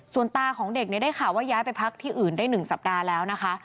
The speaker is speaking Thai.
ส่วนตาของเด็กเนี่ยได้ข่าวว่าย้ายไปพักที่อื่นได้๑สัปดาห์แล้วนะคะ